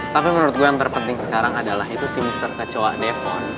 tapi menurut gue yang terpenting sekarang adalah itu si mr kecoa depon